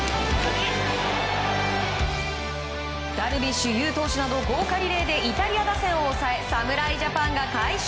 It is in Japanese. ダルビッシュ有投手など豪華リレーでイタリア打線を抑え侍ジャパンが快勝。